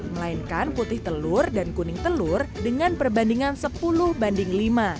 melainkan putih telur dan kuning telur dengan perbandingan sepuluh banding lima